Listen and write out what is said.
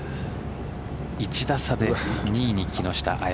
１打差で２位に木下彩